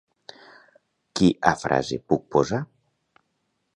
Qui a frase puc posar?